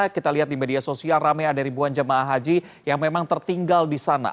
kita lihat di media sosial ramai ada ribuan jemaah haji yang memang tertinggal di sana